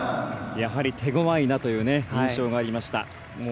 やはり手ごわいなという印象がありました。